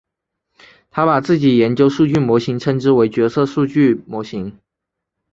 他把自己研究数据模型称之为角色数据模型。